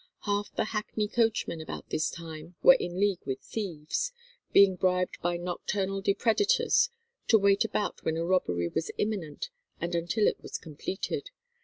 Half the hackney coachmen about this time were in league with thieves, being bribed by nocturnal depredators to wait about when a robbery was imminent, and until it was completed.